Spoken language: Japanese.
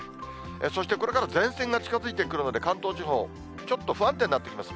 そしてこれから前線が近づいてくるので、関東地方、ちょっと不安定になってきます。